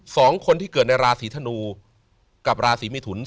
สองคนที่เกิดในราศีธนูกับราศีมิถุน